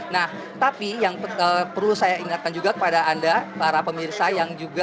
nah tapi yang perlu saya ingatkan juga kepada anda para pemirsa yang juga